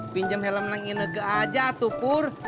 pinjam helm nenginegah aja tuh pur